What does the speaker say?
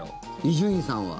伊集院さんは。